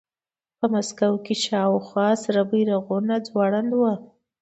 په مسکو کې شاوخوا سره بیرغونه ځوړند وو